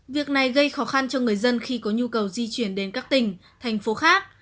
việc này gây khó khăn cho người dân khi có nhu cầu di chuyển đến các tỉnh thành phố khác